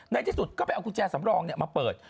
ในที่สุดก็ไปเอากุญแจสำรองมาเปิด